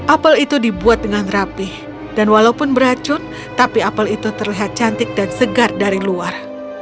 apel itu dibuat dengan rapih dan walaupun beracun tapi apel itu terlihat cantik dan segar dari luar